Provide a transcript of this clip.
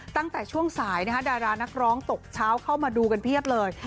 ตั้งแต่ช่วงสายดารานักร้องตกเช้าเข้ามาดูกันเพียบเลย